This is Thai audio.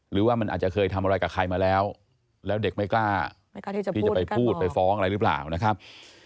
หรือว่ามันอาจจะเคยทำอะไรกับใครมาแล้วแล้วเด็กไม่กล้าที่จะไปพูดไปฟ้องอะไรหรือเปล่านะครับ